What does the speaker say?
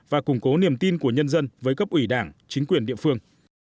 và củng cố niềm tin của nhân dân với cấp ủy đảng chính quyền địa phương